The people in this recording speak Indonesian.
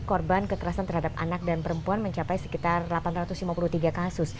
korban kekerasan terhadap anak dan perempuan mencapai sekitar delapan ratus lima puluh tiga kasus